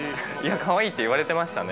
「かわいい」って言われてましたね。